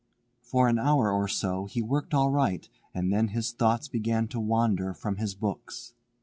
For an hour or so he worked all right, and then his thoughts began to wander from his books.